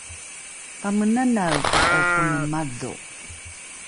pamenanaeka’o kone madho?